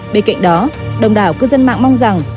bên cạnh đó đồng đảo cư dân mạng mong rằng